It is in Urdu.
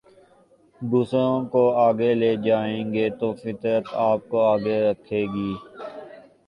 دوسروں کو آگے لے جائیں گے تو فطرت آپ کو آگے رکھے گی